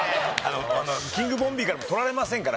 キングボンビーから取られませんから。